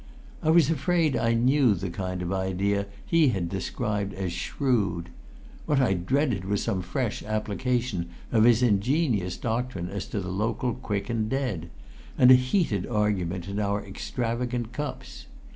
I was afraid I knew the kind of idea he had described as "shrewd"; what I dreaded was some fresh application of his ingenious doctrine as to the local quick and dead, and a heated argument in our extravagant cups.